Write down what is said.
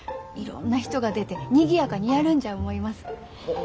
いろんな人が出てにぎやかにやるんじゃ思います。